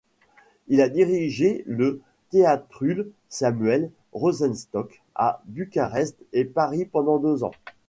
Il a dirigé le Theatrul Samuel Rosenstock à Bucarest et Paris pendant deux ans.